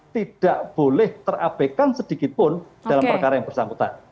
tidak boleh terabekan sedikitpun dalam perkara yang bersangkutan